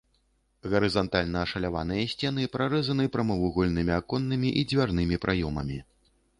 Гарызантальна ашаляваныя сцены прарэзаны прамавугольнымі аконнымі і дзвярнымі праёмамі.